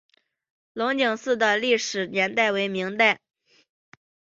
龙井寺的历史年代为明代。